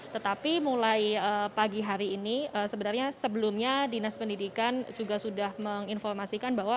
tetapi mulai pagi hari ini sebenarnya sebelumnya dinas pendidikan juga sudah menginformasikan bahwa